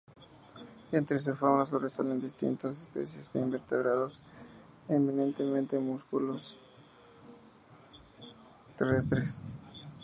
Entre su fauna sobresalen distintas especies de invertebrados, eminentemente moluscos terrestres.